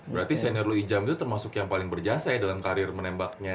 berarti senior lu ijam itu termasuk yang paling berjasa ya dalam karir menembaknya